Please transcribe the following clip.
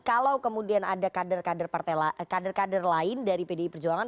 kalau kemudian ada kader kader lain dari pdi perjuangan